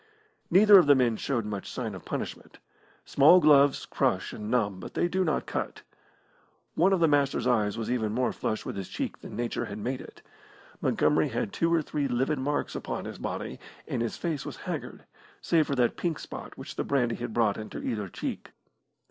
Neither of the men showed much sign of punishment. Small gloves crush and numb, but they do not cut. One of the Master's eyes was even more flush with his cheek than Nature had made it. Montgomery had two or three livid marks upon his body, and his face was haggard, save for that pink spot which the brandy had brought into either cheek.